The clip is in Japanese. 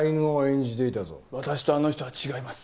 私とあの人は違います。